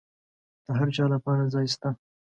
د هرچا لپاره ځای سته.